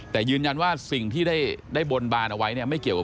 แต่ยืนยันว่าสิ่งที่ได้บนบานเอาไว้เนี่ยไม่เกี่ยวกับ